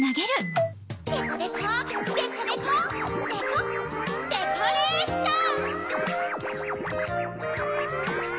デコデコデコデコデコっデコレーション！